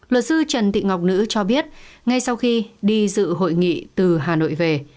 luật sư trần thị ngọc nữ cho biết ngay sau khi đi dự hội nghị từ hà nội về